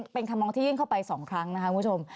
เป็นคำมองที่ยื่นเข้าไป๒ครั้งนะคะคุณผู้ชม